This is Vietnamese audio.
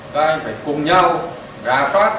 cùng nhau ra soát